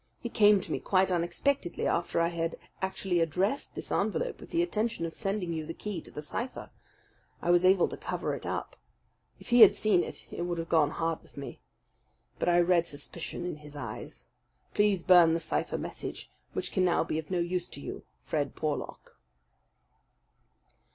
He came to me quite unexpectedly after I had actually addressed this envelope with the intention of sending you the key to the cipher. I was able to cover it up. If he had seen it, it would have gone hard with me. But I read suspicion in his eyes. Please burn the cipher message, which can now be of no use to you. "FRED PORLOCK."